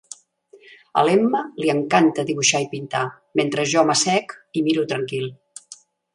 A l'Emma li encanta dibuixar i pintar, mentre jo m'assec i miro tranquil